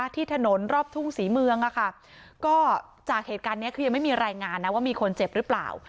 ที่ถนนรอบทุ่งศรีเมืองก็จากเหตุการณ์นี้คือยังไม่มีรายงานนะว่ามีคนเจ็บหรือเปล่า